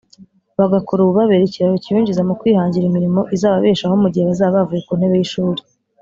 bagakora ububabera ikiraro kibinjiza mu kwihangira imirimo izababeshaho mu gihe bazaba bavuye ku ntebe y’ishuri